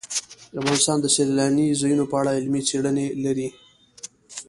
افغانستان د سیلاني ځایونو په اړه علمي څېړنې لري.